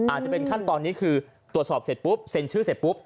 อาจจะเป็นขั้นตอนนี้คือตรวจสอบเสร็จปุ๊บเซ็นชื่อเสร็จปุ๊บ